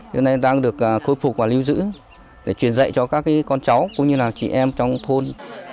giờ này đang được khôi phục và lưu giữ để truyền dạy cho các con cháu cũng như chị em trong thôn